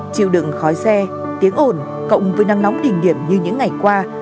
chiều đựng khói xe tiếng ổn cộng với nắng nóng đỉnh điểm như những ngày qua